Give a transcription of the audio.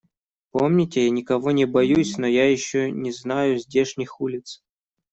Помните, я никого не боюсь, но я еще не знаю здешних улиц.